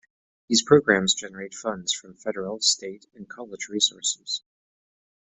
These programs generate funds from Federal, State and College resources.